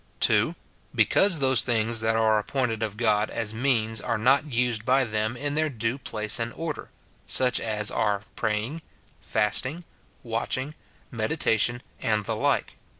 (2.) Because those things that are appointed of God as means are not used by them in their due place and order, — such as are praying, fasting, watching, medita tion, and the like.